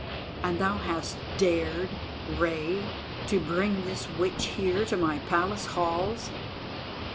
And thou hast dared, Rei, to bring this witch here to my Palace halls!